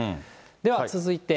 では続いて。